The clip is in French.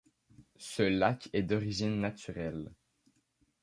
Ce lac est d'origine naturelle.